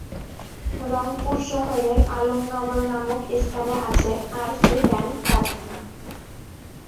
রংপুর শহরের আলম নগর নামক স্থানে আছে আর, কে ফ্যান কারখানা।